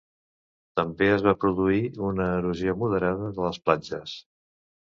També es va produir una erosió moderada de les platges.